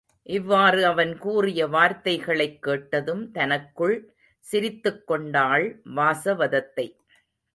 இவ்வாறு அவன் கூறிய வார்த்தைகளைக் கேட்டதும் தனக்குள் சிரித்துக் கொண்டாள் வாசவதத்தை.